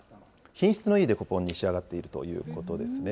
品質のいいデコポンに仕上がっているということですね。